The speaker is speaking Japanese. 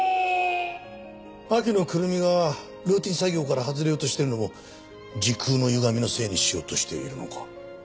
秋野胡桃がルーティン作業から外れようとしてるのも時空のゆがみのせいにしようとしているのか？